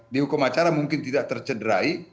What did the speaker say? di hukum acara mungkin tidak tercederai